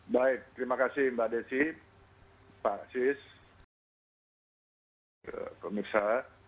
baik terima kasih mbak desi pak sis pemirsa